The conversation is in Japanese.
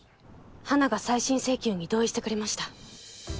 花が再審請求に同意してくれました。